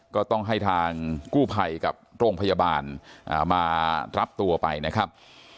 ก็ต้องให้ทางกู้ภัยกับโรงพยาบาลมารับตัวไปนะครับ